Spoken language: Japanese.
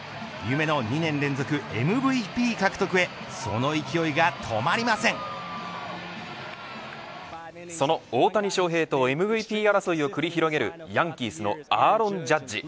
夢の２年連続ＭＶＰ獲得へその大谷翔平とＭＶＰ争いを繰り広げるヤンキースのアーロン・ジャッジ。